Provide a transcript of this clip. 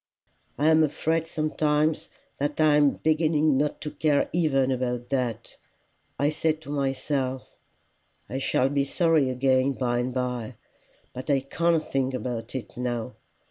I am afraid sometimes that I am beginning not to care even about that. I say to myself, I shall be sorry again by and by, but I can't think about it now.